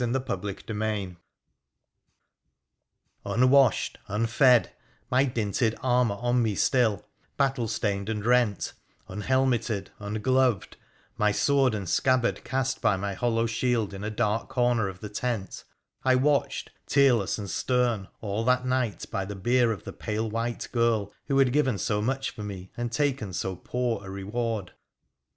CHAPTER XVI Unwashed, unfed, my dinted armour on me still — battle stained and rent — unhelmeted, ungloved, my sword and scabbard cast by my hollow shield in a dark corner of the tent, I watched, tearless and stern, all that night by the bier of the pale white girl who had given so much for me and taken so poor a reward.